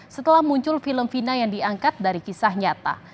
setelah muncul film fina yang diangkat dari kisah nyata